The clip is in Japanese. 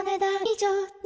ちょっと。